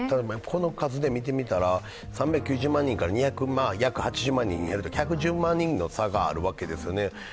この数で見てみたら３９０万人から２００万くらいに減る１１０万人の差があるわけですね。